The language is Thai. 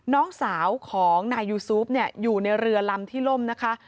น้องสาวของนายยูซูฟอยู่ในเรือลำที่ล่มนะคะ